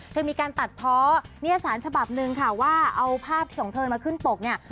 มีการตัดเพาะนิยสารฉบับหนึ่งค่ะว่าเอาภาพที่ของเธอมาขึ้นปกเนี่ย